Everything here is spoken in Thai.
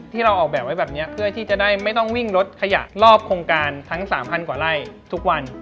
ที่เราออกแบบไว้แบบนี้เพื่อที่จะได้ไม่ต้องวิ่งรถขยะรอบโครงการทั้ง๓๐๐กว่าไร่ทุกวัน